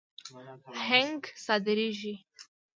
هنګ صادریږي.